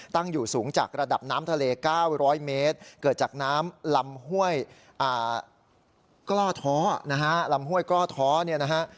ตั้งอยู่สูงจากระดับน้ำทะเล๙๐๐เมตรเกิดจากน้ำลำห้วยกล้อท้อนะฮะ